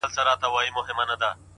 • څه خبر وي وږي څرنګه ویدیږي ,